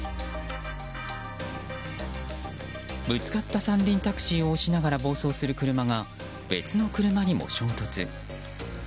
ぶつかった三輪タクシーを押しながら暴走する車が別の車にも衝突。